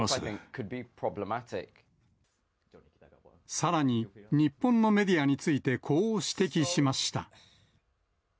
さらに日本のメディアについて、こう指摘しました。